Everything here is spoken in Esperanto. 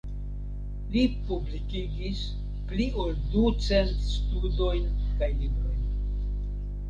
Li publikigis pli ol ducent studojn kaj librojn.